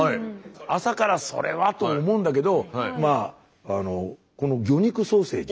朝からそれはと思うんだけどまああのこの魚肉ソーセージ。